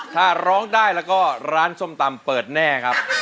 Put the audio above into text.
ถ้าร้องได้แล้วก็ร้านส้มตำเปิดแน่ครับ